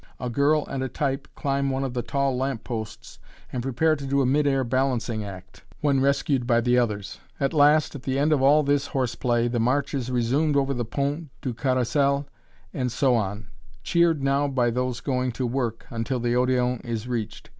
A girl and a type climb one of the tall lamp posts and prepare to do a mid air balancing act, when rescued by the others. At last, at the end of all this horse play, the march is resumed over the Pont du Carrousel and so on, cheered now by those going to work, until the Odéon is reached.